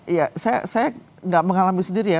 iya saya nggak mengalami sendiri ya